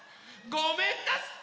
ごめんなすって！